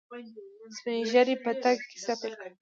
سپينږيري په تګ کې کيسه پيل کړه.